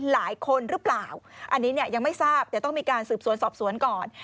หลายคนหรือเปล่าอันนี้เนี่ยยังไม่ทราบเดี๋ยวต้องมีการสืบสวนสอบสวนก่อน